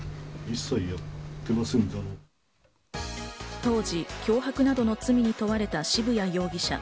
当時、脅迫などの罪に問われた渋谷容疑者。